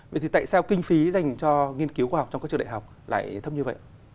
vậy thì tại sao kinh phí dành cho nghiên cứu khoa học trong các trường đại học lại thấp như vậy